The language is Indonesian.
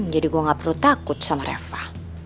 jadi gue gak perlu takut sama reva